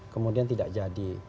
kemudian tidak jadi